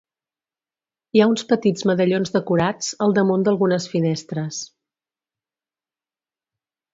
Hi ha uns petits medallons decorats, al damunt d'algunes finestres.